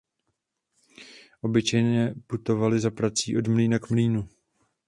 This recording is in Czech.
Obyčejně putovali za prací od mlýna k mlýnu.